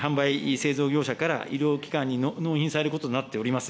・製造業者から、医療機関に納品されることとなっております。